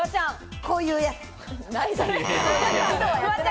こういうやつ。